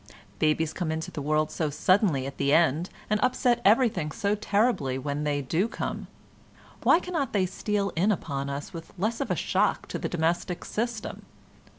Babies come into the world so suddenly at the end, and upset everything so terribly when they do come: why cannot they steal in upon us with less of a shock to the domestic system?